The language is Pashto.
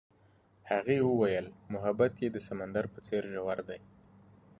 هغې وویل محبت یې د سمندر په څېر ژور دی.